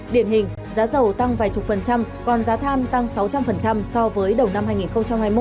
điển hình giá dầu tăng vài chục phần trăm còn giá than tăng sáu trăm linh so với đầu năm hai nghìn hai mươi một